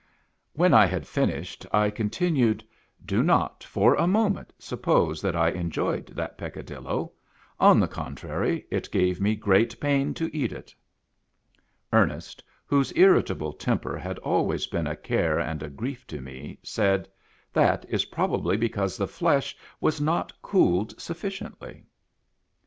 When I had finished, I continued, " Do not for a moment suppose that I enjoyed that Peccadillo. On the contrary, it gave me great pain to eat it." Ernest, whose irritable temper had always been a care and a grief to me, said, " That is probably be cause the flesh was^not cooled sufficiently."